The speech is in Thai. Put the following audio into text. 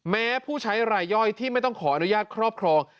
แม้ผู้ใช้รายย่อยที่ไม่ต้องขออนุญาตครอบครอง